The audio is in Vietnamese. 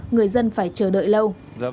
người dân phải chờ đợi lâu